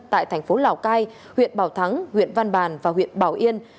tại thành phố lào cai huyện bảo thắng huyện văn bàn và huyện bảo yên